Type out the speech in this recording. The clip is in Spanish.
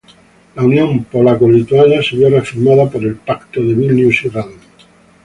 La unión polaco-lituana se vio reafirmada con el Pacto de Vilnius y Radom.